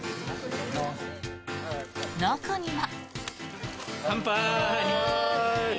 中には。